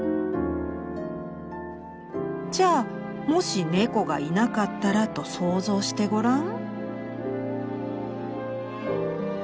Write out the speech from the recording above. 「じゃあもし猫がいなかったらと想像してごらん」。